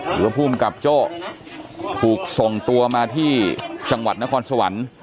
หรือว่าภูมิกับโจ้ถูกส่งตัวมาที่จังหวัดนครสวรรค์